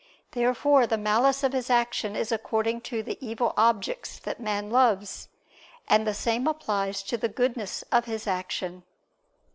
Therefore the malice of his action is according to the evil objects that man loves. And the same applies to the goodness of his action.